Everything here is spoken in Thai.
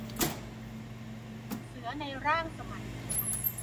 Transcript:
เสือในร่างสมัน